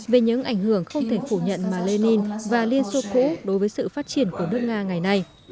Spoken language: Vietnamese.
về những ảnh hưởng không thể phủ nhận mà lenin và liên xô cũ đối với sự phát triển của nước nga ngày nay